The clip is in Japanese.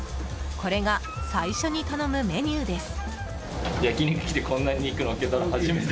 これが最初に頼むメニューです。